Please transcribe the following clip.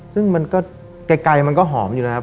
ซึ่งมันก็ไกลมันก็หอมอยู่นะครับ